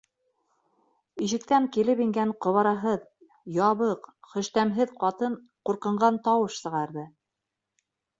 Ишектән килеп ингән ҡобараһыҙ, ябыҡ, хөштәмһеҙ ҡатын курҡынған тауыш сығарҙы: